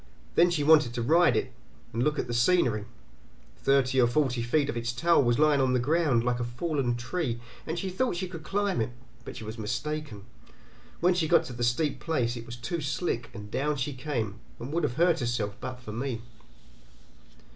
Then she wanted to ride it, and look at the scenery. Thirty or forty feet of its tail was lying on the ground, like a fallen tree, and she thought she could climb it, but she was mistaken; when she got to the steep place it was too slick and down she came, and would have hurt herself but for me.